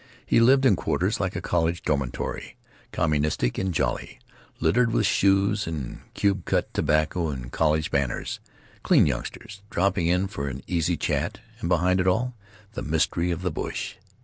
He lived in quarters like a college dormitory, communistic and jolly, littered with shoes and cube cut tobacco and college banners; clean youngsters dropping in for an easy chat—and behind it all, the mystery of the Bush.